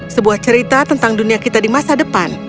sebuah cerita tentang dunia kita di masa depan